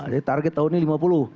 jadi target tahun ini lima puluh